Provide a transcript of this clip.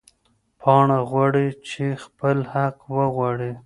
پاڼه غواړې چې خپل حق وغواړي.